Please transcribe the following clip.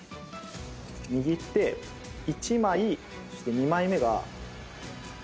握って１枚そして２枚目が。